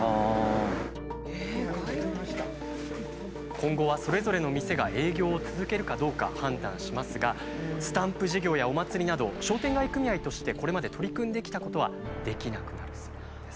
今後はそれぞれの店が営業を続けるかどうか判断しますがスタンプ事業やお祭りなど商店街組合としてこれまで取り組んできたことはできなくなるそうなんです。